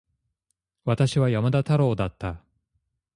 私は山田太郎だった